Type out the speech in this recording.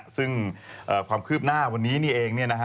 ซึ่งความคืบหน้าวันนี้นี่เอง